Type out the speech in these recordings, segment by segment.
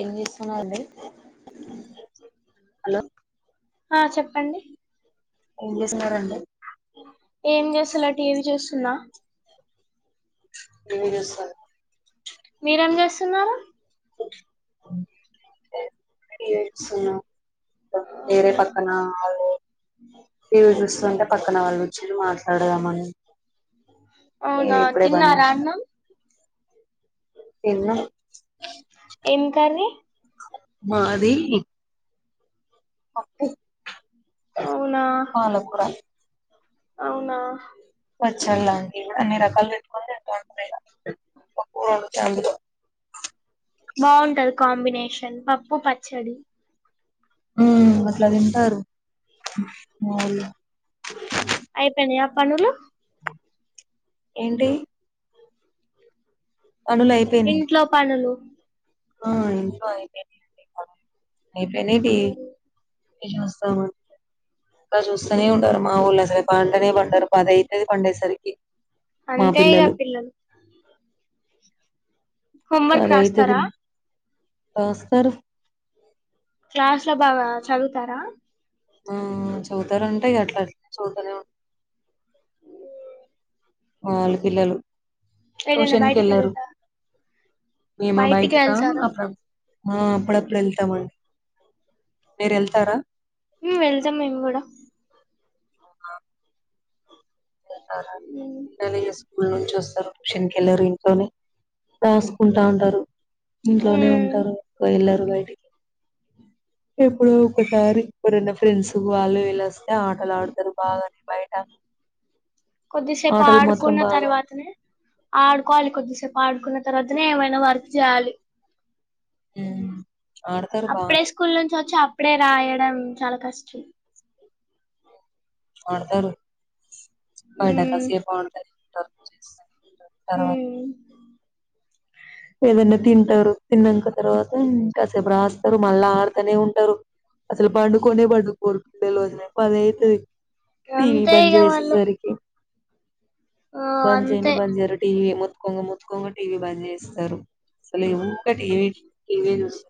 ఏం జేసున్నారండి [unintelligible] ఆ చెప్పండి ఏం జేసునరండీ ఏం చేస్తలా టీవీ జూస్తున్నా ఏం జేసర్ మీరేం చేస్తున్నారు [unintelligible] ఏం లే [unintelligible] కున్నాం ద వేరే పక్కన ఆళ్ళు టీవీ చూస్తుంటే పక్కన వాళ్ళు నేను మాట్లాడదమని అవునా తిన్నారా అన్నం తిన్న ఏం కర్రీ మాది పప్పు అవునా పాలకూర అవునా పచలాండి ఇన్ని రకాల్ వెట్టుకొని [unintelligible] పప్పు కలుపుతే అందులో బాగుంటది కాంబినేషన్ పప్పు పచ్చడి ఊ అట్లా తింటారు మారి అయిపనయ్ అప్ పనులు ఏంటి పనులు అయిపోయినాయి ఇంట్లో పనులు ఆ ఎంతో అయితే ఏపేనిది ఉమ్, [unintelligible] వస్తాను ఇకా చూస్తనే ఉంటారు మా ఊళ్ళ పండనే పండరు పద అయితది పండేసరికి అంతే ఇగా పిల్లలు హోమ్ వర్క్ పది అయితది రాస్తారా రాస్తారు క్లాస్ లో బాగా చదువుతారా ఆ చదువుతారు అంటే అట్లా చదుతనే వాళ్ళ పిల్లలు ఏదైనా టూషన్ కి బయటికి ఏళ్ళరు వెళ్తారా మేమ బయటికి బయట వెళ్తారా అ మా అప్పుడప్పుడు వెళ్తామండి మీరు వెళ్తారా హమ్ వెళ్తాం మేము కూడా ఉమ్, [unintelligible] స్కూల్ నుంచి వస్తారు ట్యూషన్కి వెళ్లరు ఇంట్లోనే రాసుకుంటా ఉంటారు ఇంట్లోనే ఉమ్. ఉంటారు వెళ్ళరు బయటికి ఎప్పుడో ఒకసారి ఎప్పుడున్న ఫ్రెండ్స్ వాళ్ళు వీళ్ళు వస్తె ఆటలు ఆడుతారు బాగానే బయట కొద్దిసేపు ఆటలు మాత్రం ఆడుకున్న బాగా తర్వాతనే ఆడుకోవాలి కొద్దిసేపు ఆడుకున్న తర్వాతనే ఏమైనా వర్క్ చేయాలి హమ్ అప్పుడే స్కూల్ నుంచి ఒచ్చి అప్పుడే రాయడం చాలా ఆశ్చి ఆ వాడుతారు ఉమ్ పడకాసి బంటాది ఆ చేస తరువా ఉమ్ ఏదన్నా తింటారు తిన్నాక తర్వాత ఇంకాసేపు రాస్తరు మళ్ళా ఆడతనే ఉంటారు అసలు పండుకొనే పండుకోరు [unintelligible] పది అయితది టీవీ అంతే ఇగ వాళ్ళు బంజేసేసరికి ఆ బంజేయనే అంతే బంజేయరు టీవీ మోత్కొంగ మోత్కోంగ టీవీ బంజేస్త అసలు ఊకె టీవీ టీవీ చూస్త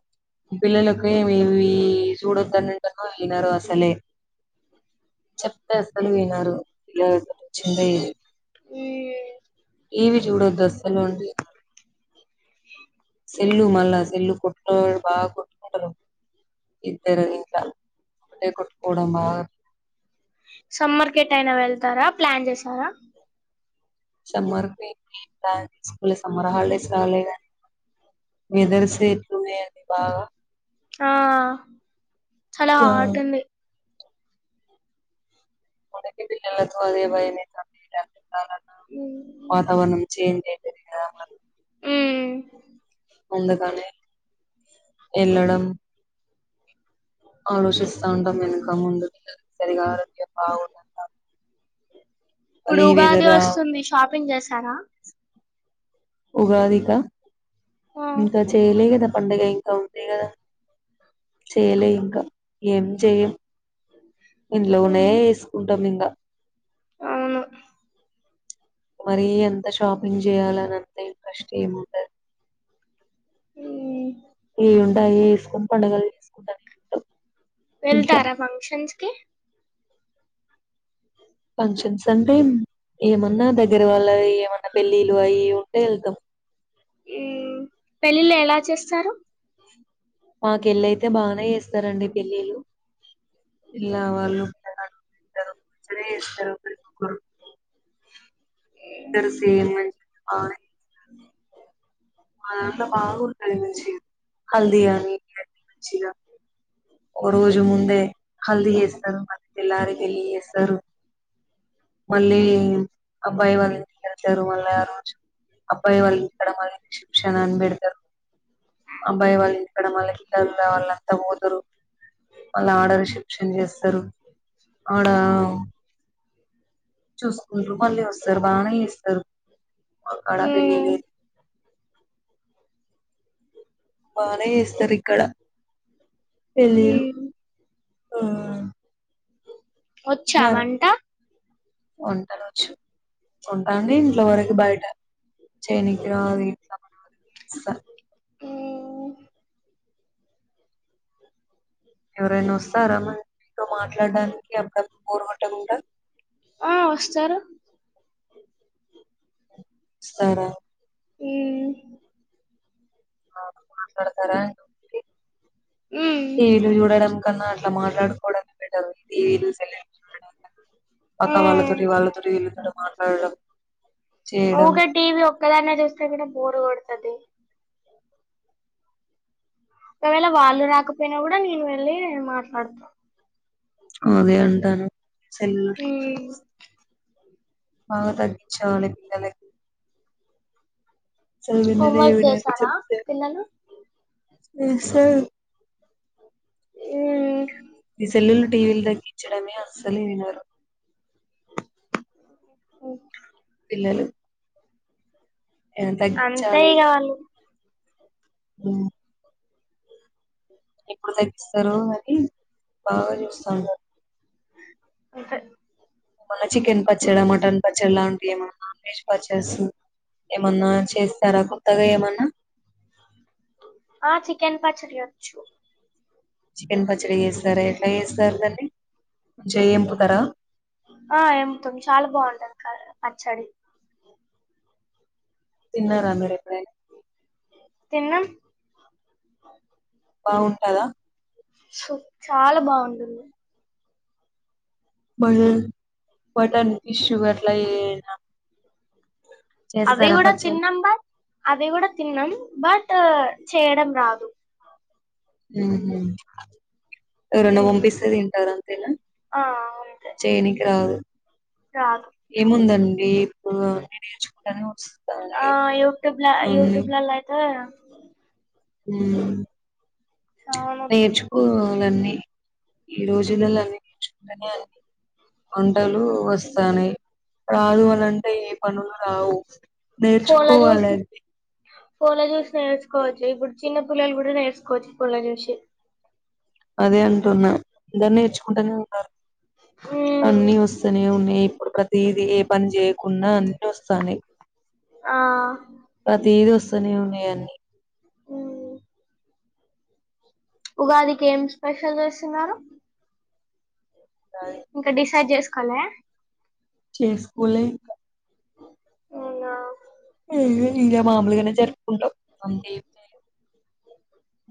పిల్లలక ఏమివి చూడొద్దనింటాను వినరు అసలే చెప్తే అసలు వినరు ఇలా [unintelligible] ఇది ఉ ఇవి జూడో దశలుండి చెల్లు మళ్ళా చెల్లు కొట్ బాగా కొట్టుకుంటారు ఇద్దరు ఇంట్ ఒకటే కొట్టుకోవడం బాగా సమ్మర్ కేటైనా వెళ్తారా ప్లాన్ చేసారా సమ్మర్ కి ప్లాన్స్ స్కూల్ సమ్మర్ హాలిడేస్ కావాలి క వేదర్ స ఎట్లు బా ఆ చాలా హాట్ ఉంది కి పిల్లల తే భయనే చాల ఉమ్ వాతావరణం చేంజ్ అయితది కదా హామ్ అందుకానీ ఎల్లడం ఆలోచిస్తా ఉంటంద కాండీ సరగా ఆరోగ్య బగో ఇప్పుడు ఉగాది వస్తుంది షాప్ టిఫిన్ చేసారా ఉగాదిక ఆ ఇంకా చేయలే కదా పండుగ ఇంకా ఉంటాయి కదా చేయలే ఇంకా ఏం చెయ్ ఇంట్లో ఉన్నాయా ఉమ్ వేసుకుంటాం ఇంగ అవును మరీ ఎంత షాపింగ్ చేయాల అనింత ఇంట్రెస్ట్ ఏముంటది ఉ ఏ ఉం వసుకుంట పండుగలు చేసుకుంతారు ఇంట్లో వెళ్తారా ఫంక్షన్స్ కి ఫంక్షన్స్ అంటే ఏమ న్నా దగ్గర వాళ్ళ ఏమన్నా పెళ్ళిళ్లు అఈ ఉంటే వెళ్తాం ఉ పెళ్ళిళ్ళ ఎలా చేస్తారు మాకెల్లయితే బానేస్త స్తారండి పెళ్లిలు ఇలా వాళ్ళుారు పిల్లగాడు ఉంటారు మంచిగానే చేస్తారు ఒకరికొకరు తయారు ఆమె అదంత బాూ కలిిన చేయ హల్ద గని మంచిీిన ఓ రోజు ముందే హల్దీ జేస్తరు మల్ తెల్లరే పెళ్లి జెస్తారు మళ్ళీ అబ్బాయి వాలింటికికెల్ తరు మల్ అ రోజూ అబ్బాయి వాళ్ళు ఇక్కడ మళ్ళ షిప్ శిప్షన్ అనిబెడ్ తారు అబ్బాయి వాళ్ళు ఇక్కడ మళ్ళి పిలలోళ్లు ళ్ళంతా పోతరు మళ్ళ ఆడ రిసెప్షన్ చేస్త తరు ఆడ [unintelligible] చూసుకుంట్రూ మళ్ళీ వస్తారు బానే ఇస్తారు అక్కడా మ్మ్ పెల్లిలే బానే ఇస్తరి అక్కడ ఈ ఆ వచ్చా వంటా వంటలువచ్చు వంటండి ఇంట్లో వరకు బయట చేనికి రాదు ఇంట్ల మన వరికీ చేస్తా మ్మ్ ఎవరైన వస్తరా మరి మీతో మాట్లాడడానికి అడ [unintelligible] బోరుకోటకుంట సారు వస్తర ఈ నాత్ మాట్లాడతారా మ్మ్ టివిలు చూడడం కన్నా అట్లా మాట్లాడు పొడమ్ బేటారు టీవీలు సెల్లులు చూడడమ్ కంటే పక్క మ్మ్ వాళ్ళతోటి వాళ్ళతోటి వీళ్ళతోటి మాట్లాడం ఊకె టీవీ ఒక్క దానే చూస్తే కూడా బోరు కొడతది ఒక వేళ వాళ్ళు రాకపోయినా కూడా నేను వెళ్ వెళ్లి మాట్లాడతా అదే అంటాన సెల్ మ్మ్ బాగా తగ్గించాలి పిల్లలకి అస్సల్ విననే హోంవర్క్ వినరు చేసారా చెప్పితే పిల్లలు అసల్ ఉ హ్మ్ ఈ సెల్లులు టీవీలు తగ్గించడమే అస్సలు వినరు ఓ పిల్లలు ఏ, అంతే ఇగా వాళ్ళు హ్మ్ ఎప్పుడు తగ్గిస్తారు మరి బాగా చూస్తా ఉన్నారు అంతే ఏమన్నా చికెన్ పచ్చడి మటన్ పచ్చడి లాంటివి ఏమన్నా నాన్ వెజ్ పచ్చడిసు ఏమన్నా చేస్తారా కొత్తగా ఏమన్నా ఆ చికెన్ పచ్చడి చేయొచ్చు చికెన్ పచ్చడి చేసు సరే ఎట్లా చేస్తారు దాన్ని మంచిగా వేంపుతారా ఆ ఏముతాం చాలా బాగుంటుందికా పచ్చడి తిన్న రా మీరు ఎప్పుడైనా తిన్నాం బావుంటదా సు చాలా బావుంటుంది మరి మటన్ ఫిష్ గట్ల ఏఅయిన అవి గూడా పచ్చడి తిన్నం బర్ అవి గూడా తిన్నాం బట్ చేయడం రాదు ఊహూ ఎవరన్నా మ్మ్ పంపిస్తే తింటారు అంతేనా ఆ అంతే చేయనికి రాదు రాదు ఏముందం ఇప్పుడు నేర్చుకుంటనే వస్ ఆ యూట్యూబ్ల యూట్యూబ్లల్లో అయితే హ్మ్ చానా నేర్చుకోవాలన్నీ ఈ రోజులల్లోనే సరే అండి వంటలు వస్ చ్చాని రాదు అని అంటే ఏ పనులు రావు ఫోన్ల నేర్చుకోవాలి చూసి అంతే, ఫోన్ల చూసి నేర్చుకోవచ్చు ఇప్పుడు చిన్న పిల్లలు కూడా నేర్చుకోవచ్చు ఫోన్ల చూసి అదే అంటున్నా అందరు నేర్చుకుంటానే ఉన్నారు మ్మ్ అన్నీ వస్సూనే ఉన్నయ్ ప్రతీదీ ఏపనిజేయ్ కున్నా అన్నీ వస్తనయ్ ఆ ప్రతీది వస్తునే ఉన్నాయ్ ఇయన్ని మ్మ్ ఉగాదికి ఏం స్పెషల్ చేస్తున్నారు అది ఇంకా డిసైడ్ చేసుకోలే చేసుకలేం అవునా ఏ ఇకా మాముూలుగానే జరుపుకుంటాం అంతే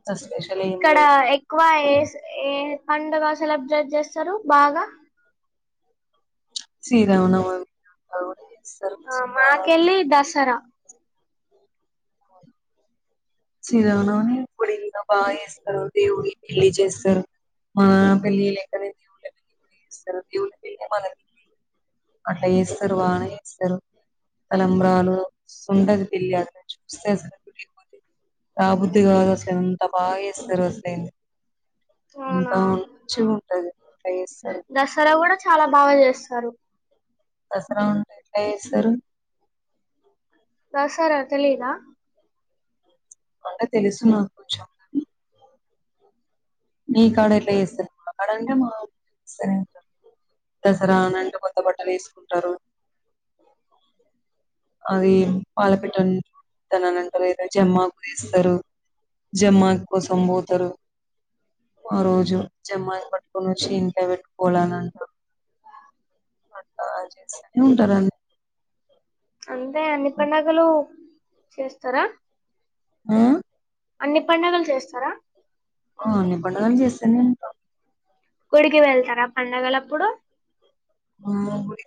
అసలు స్పెషల్ ఏం ఇక్కడ ఎక్కువ లేదు ఏ పండగస్తు సెలబ్రేట్ చేస్తారు బాగా సీరమా నవమి ఆ మాకెలి దసరా చిరానాని ఇప్పుడు ఇన్న బాగా చేస్తారు దేవుని పెళ్లి చేస్తారు మా పళ్లి లేకని వుస్తారు దేవుళ పిళ్లి మన అంట వస్తారు వాన వస్తారు తలంబ్రాలు ఉండదు పెళ్లి అక్క చూస్తే అసలు రా బుద్ధి కావదు అసలు ఎంత పయిస్ర్ హుసైన్ అవునా అట్లా చేస్తారు దసరా కూడా చాలా బాగా చేస్తారు దసరా ఉంట ఎత్తలచేస్తారు దసార తెలిదా అంట తెలుసు నాకు కోంచం నీ కాడ ఇట్లా వేస్తను మా కాడ అంటే మాస్తనే ఉంటారు దసరా అంటే కొత్త బట్టలు వేసుకుంటారు అది పాలపిట్ట చతాన అని అంటారుద జమ్మాకు వేస్తారు జమ్మాకు కోసం పోతారు ఆ రోజు జమ్మకు పట్టు నుంచి ఇంట్లో పెట్టుకోవాలని ఏ ఉంటారాండి అంతే అన్ని పండుగలు చేస్తారా ఆ అన్ని పడుగలు చేస్తారా ఆ అన్ని పండుగలు చేస్తాను నేను గుడికి వెళ్తారా పండగలప్పుడు ఆ గుడి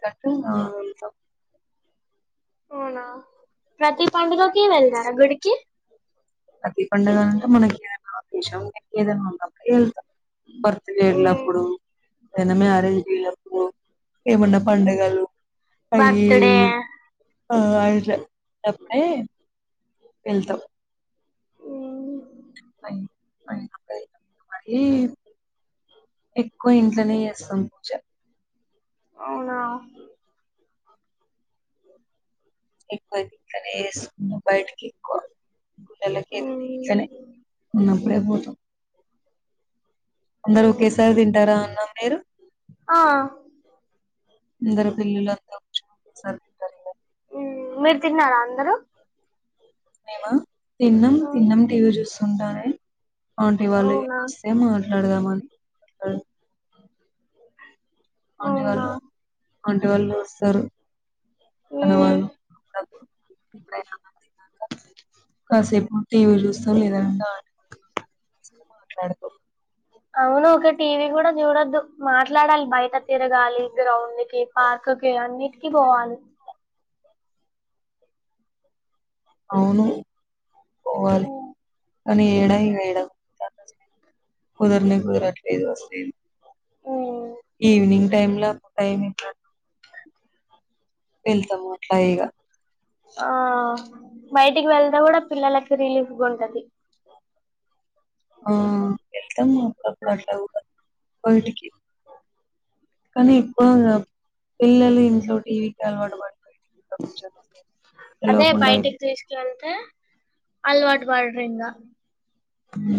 ఆ వెళ్తతా అవునా ప్రతి పండుగకి వెళ్దారా గుడికి ప్రతి పండుగ అంటే మనకి ఏదైనా ఉశం మ ఏదైనా ఉండ వెళ్తాం భర్త ఉమ్, చేలప్పుడు ఏనమే అరేంజ్ చేయప్పుడు ఏమన్నా పండగలు అయి బర్త్ డే ఆ అట్లేప్పుడే వెళ్తాం ఉమ్, అ ఎక్కువ ఇంట్లోనే జేస్సాం చె అవునా ఎక్కువ ఇంట్లోనే జేస్సాం బైటికెక్కువ గుండలకి ఏదన్నా ఉమ్, ఇంనే ఉన్నా ఇప్పుడే పోతు అందరు ఉమ్. ఒకేసారి తింటారా అన్నం మీరు ఆ ఇందరు పిల్లలుంతాసారు ఉ మీరు తిన్నారా అందరూ నేనా తిన్న తిన్నం టీవీ చూస్తుంటానే ఆన్టీ అవునా వాళ్ళగినొస్తే నడదమ అంటీ అవునా వాళ్ళు ఆంటి వాళ్ళు వస్తారు కన వాళ్ళ మ్మ్ కాసేపు టీవీ జూస్తాం లేద మాట్లాడకు అవును ఒక టీవీ గూడా చూడొద్దు మాట్లాడాలి బయట తిరగాలి గ్రౌండ్ కి పార్క్కిి అన్నిటికి పోవాలి అవును పోవాలి కానీ ఏడా ఇగఏడా కుదరనే కుదరట్లేదు వస్తులేది మ్మ్ ఈవినింగ్ టైమ్ లో సై అ వెళ్తాము అట్లాయిగా ఆ బయటికి వెళ్తేగుడా పిల్లలకి రిలీఫ్గా ఉంటది ఆ వెళ్తాము అప్పుడప్పుడు అట్లా బయటికి కానీ ఎప్పుడు పిల్లలు ఇంట్లో టీవీకి అలవాటు పడ్డారు అదే తెలియకుండా బయటికి అయిపోయి తీసుక వెళ్తే అలవాటు పడరు ఇంకా ఉ